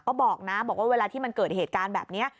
ก็บอกนะบอกว่าเวลาที่มันเกิดเหตุการณ์แบบนี้